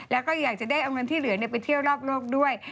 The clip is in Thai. แล้วก็อยากจะได้เอาเงินที่เหลือไปเที่ยวรอบโลกด้วย